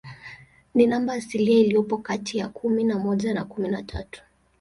Ni namba asilia iliyopo kati ya kumi na moja na kumi na tatu.